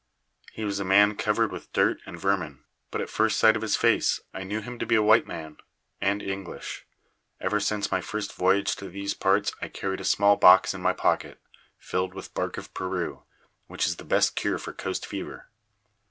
He was a man covered with dirt and vermin, but at first sight of his face I knew him to be a white man and English. Ever since my first voyage to these parts I carried a small box in my pocket, filled with bark of Peru, which is the best cure for coast fever.